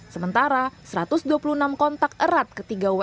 sementara satu ratus dua puluh enam kontak erat ketiga wni